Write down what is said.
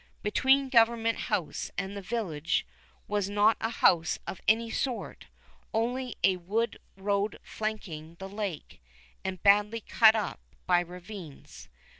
Between Government House and the village was not a house of any sort, only a wood road flanking the lake, and badly cut up by ravines.